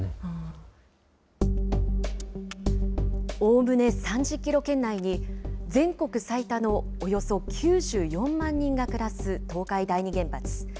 おおむね３０キロ圏内に、全国最多のおよそ９４万人が暮らす東海第二原発。